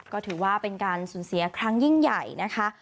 ก็ถือว่าเป็นการสูญเสียครั้งยิ่งใหญ่นะคะ